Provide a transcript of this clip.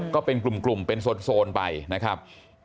ก็เป็นกลุ่มเป็นโซนไปนะครับ